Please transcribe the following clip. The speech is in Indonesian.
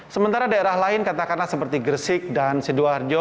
sementara daerah lain katakanlah seperti gresik dan sidoarjo